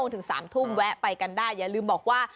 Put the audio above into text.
เติมมารับทีมือขอบคุณค่ะ